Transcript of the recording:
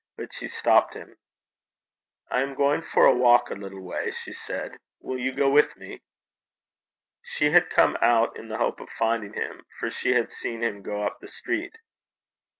But she stopped him. 'I am going for a walk a little way,' she said. 'Will you go with me?' She had come out in the hope of finding him, for she had seen him go up the street.